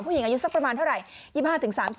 ผู้หญิงอายุสักประมาณเท่าไหร่๒๕๓๐